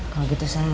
kalau gitu saya